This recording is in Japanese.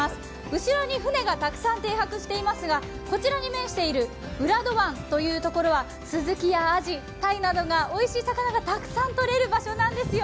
後ろに船がたくさん停泊していますがこちらに面している浦戸湾というところはすずきやあじ、たいなどおいしい魚がたくさんとれる所なんです。